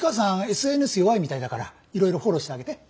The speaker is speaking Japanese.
ＳＮＳ弱いみたいだからいろいろフォローしてあげて。